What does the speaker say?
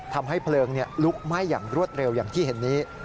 ทำให้เพลิงลุกไหม้อย่างรวดเร็วอย่างที่เห็นนี้